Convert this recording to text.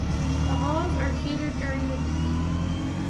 The halls are catered during the week.